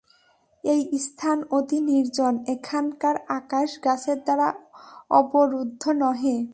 এই স্থান অতি নির্জন, এখানকার আকাশ গাছের দ্বারা অবরুদ্ধ নহে।